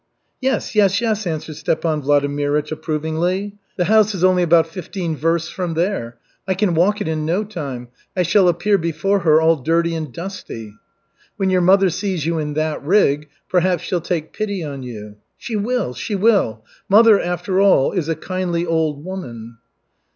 "Yes, yes, yes," answered Stepan Vladimirych approvingly. "The house is only about fifteen versts from there. I can walk it in no time. I shall appear before her all dirty and dusty." "When your mother sees you in that rig, perhaps she'll take pity on you." "She will, she will. Mother, after all, is a kindly old woman."